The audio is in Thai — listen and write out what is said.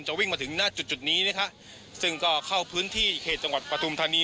วิ่งมาถึงหน้าจุดจุดนี้นะคะซึ่งก็เข้าพื้นที่เขตจังหวัดปฐุมธานี